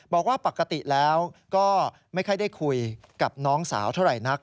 บอกว่าปกติแล้วก็ไม่ค่อยได้คุยกับน้องสาวเท่าไหร่นัก